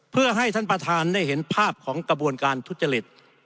เพื่อให้ท่านประธานได้เห็นภาพของกระบวนการทุจริต